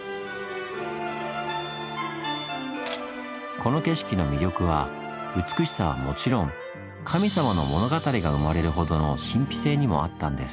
この景色の魅力は美しさはもちろん神様の物語が生まれるほどの神秘性にもあったんです。